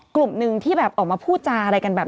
กลุ่มหนึ่งที่แบบออกมาพูดจาอะไรกันแบบ